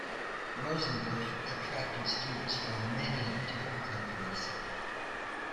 Rosenbusch attracted students from many different countries.